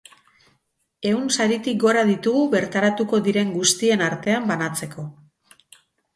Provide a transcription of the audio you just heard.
Ehun saritik gora ditugu bertaratuko diren guztien artean banatzeko.